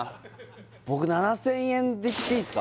僕７０００円でいっていいですか？